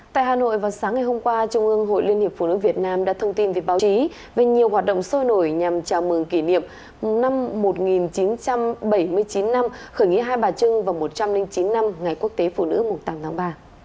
tại hà nội vào sáng ngày hôm qua trung ương hội liên hiệp phụ nữ việt nam đã thông tin về báo chí về nhiều hoạt động sôi nổi nhằm chào mừng kỷ niệm năm một nghìn chín trăm bảy mươi chín năm khởi nghĩa hai bà trưng và một trăm linh chín năm ngày quốc tế phụ nữ tám tháng ba